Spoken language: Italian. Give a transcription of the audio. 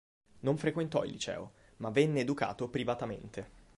Non frequentò il liceo, ma venne educato privatamente.